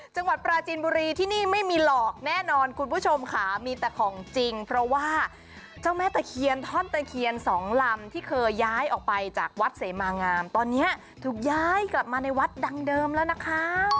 จังหวัดปราจินบุรีที่นี่ไม่มีหลอกแน่นอนคุณผู้ชมค่ะมีแต่ของจริงเพราะว่าเจ้าแม่ตะเคียนท่อนตะเคียนสองลำที่เคยย้ายออกไปจากวัดเสมางามตอนนี้ถูกย้ายกลับมาในวัดดังเดิมแล้วนะคะ